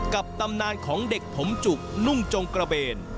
ตำนานของเด็กผมจุกนุ่งจงกระเบน